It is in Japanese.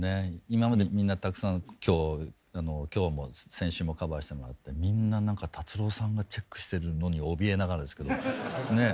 今までみんなたくさん今日も先週もカバーしてもらってみんななんか達郎さんがチェックしてるのにおびえながらですけどねえ